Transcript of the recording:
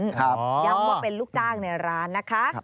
ย้ำว่าเป็นลูกจ้างในร้านนะคะ